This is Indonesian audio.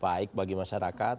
baik bagi masyarakat